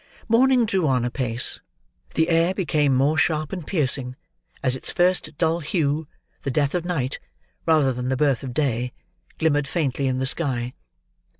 Morning drew on apace. The air become more sharp and piercing, as its first dull hue—the death of night, rather than the birth of day—glimmered faintly in the sky.